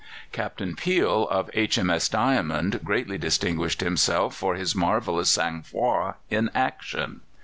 Captain Peel, of H.M.S. Diamond, greatly distinguished himself for his marvellous sang froid in action.